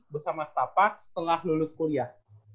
bersama setapak setelah lulus kuliah